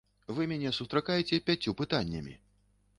Вы мяне сустракаеце пяццю пытаннямі.